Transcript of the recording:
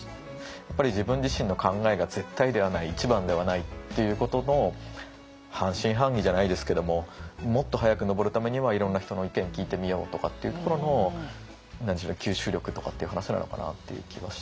やっぱり自分自身の考えが絶対ではない一番ではないっていうことの半信半疑じゃないですけどももっと早く登るためにはいろんな人の意見聞いてみようとかっていうところの吸収力とかっていう話なのかなっていう気はしますね。